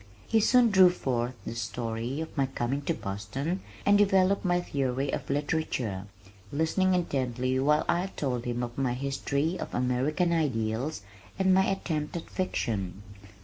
He soon drew forth the story of my coming to Boston and developed my theory of literature, listening intently while I told him of my history of American Ideals and my attempt at fiction.